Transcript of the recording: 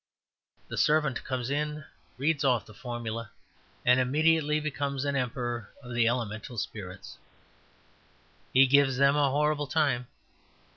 The servant comes in, reads off the formula, and immediately becomes an emperor of the elemental spirits. He gives them a horrible time.